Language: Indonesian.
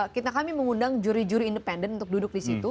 kita kami mengundang juri juri independen untuk duduk di situ